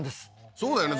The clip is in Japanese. そうだよね